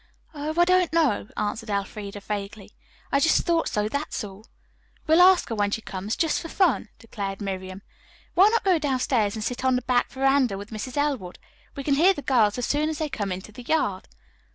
"Oh, I don't know," answered Elfreda vaguely. "I just thought so, that's all." "We'll ask her when she comes, just for fun," declared Miriam. "Why not go downstairs and sit on the back veranda with Mrs. Elwood? We can hear the girls as soon as they come into the yard."